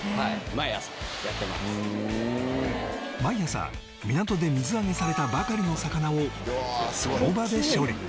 毎朝港で水揚げされたばかりの魚をその場で処理